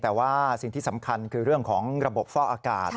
แต่ว่าสิ่งที่สำคัญคือเรื่องของระบบฟอกอากาศ